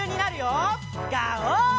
ガオー！